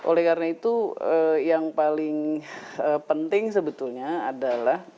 oleh karena itu yang paling penting sebetulnya adalah